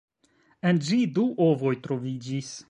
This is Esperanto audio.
En ĝi du ovoj troviĝis.